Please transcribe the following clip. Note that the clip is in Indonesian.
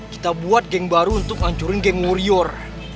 kita buat geng baru untuk hancurin geng warrior